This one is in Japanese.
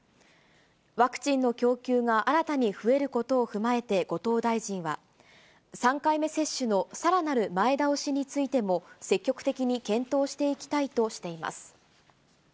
ワクチンの供給が新たに増えることを踏まえて、後藤大臣は、３回目接種のさらなる前倒しについても、積極的に検討していきたいとしています。